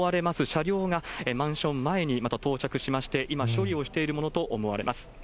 車両が、マンション前にまた到着しまして、今、処理をしているものと思われます。